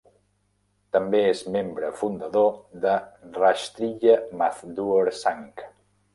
També és membre fundador de Rashtriya Mazdoor Sangh.